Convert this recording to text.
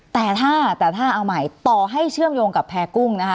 แต่ถ้าแต่ถ้าเอาใหม่ต่อให้เชื่อมโยงกับแพร่กุ้งนะคะ